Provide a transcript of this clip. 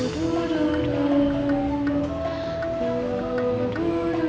duh mana dulu